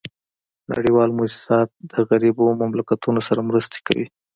نړیوال موسسات د غریبو مملکتونو سره مرستي کوي